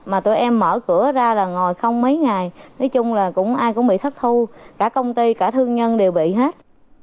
mà tụi em mở cửa ra là ngồi không mấy ngày nói chung là cũng ai cũng bị thất thu cả công ty cả thương nhân đều bị hết